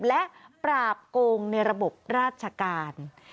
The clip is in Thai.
และปราบโกงในระบบราชการ